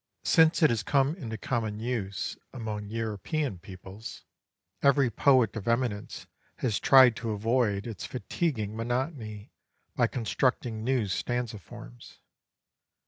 Since it has come into common use among European peoples, every poet of eminence has tried to avoid its fatiguing monotony, by constructing new stanza forms.